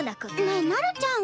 ねえなるちゃん